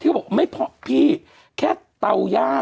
ที่เขาบอกไม่พอพี่แค่เตาย่าง